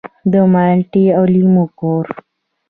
د مالټې او لیمو کور.